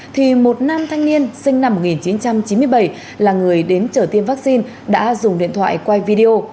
thì một nam thanh niên sinh năm một nghìn chín trăm chín mươi bảy là người đến chở tiêm vaccine đã dùng điện thoại quay video